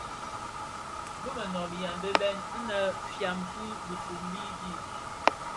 Bi mënōbi a Mbembe innë fyan fi dhifombi di.